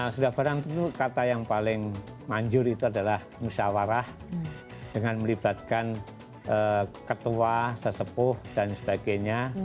sudah barang tentu kata yang paling manjur itu adalah musyawarah dengan melibatkan ketua sesepuh dan sebagainya